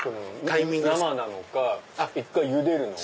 生なのか１回ゆでるのか。